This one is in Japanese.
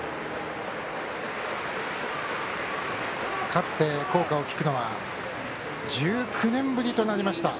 勝って校歌を聴くのは１９年ぶりとなりました。